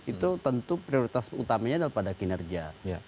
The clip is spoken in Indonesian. itu tentu prioritas utamanya adalah pada kinerja